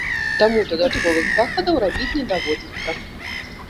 Таму дадатковых захадаў рабіць не даводзіцца.